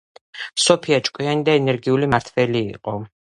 სოფია ჭკვიანი და ენერგიული მმართველი იყო.